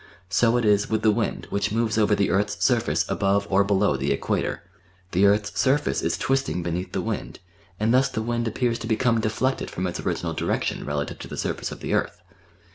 So it is with the wind which moves over the earth's surface above or below the Equator the earth's surface is twisting beneath the wind, and thus the wind appears to become deflected from its original direction relative to the surface of the earth.